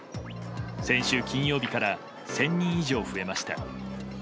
先週金曜日から１０００人以上増えました。